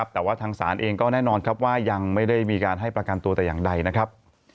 แต่ว่าทางศาลเองก็แน่นอนครับว่ายังไม่ได้มีการให้ประกันตัวแต่อย่างใดนะครับ